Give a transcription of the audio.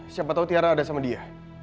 siapa tahu tiara ada sama dia